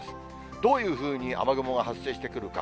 どういうふうに雨雲が発生してくるか。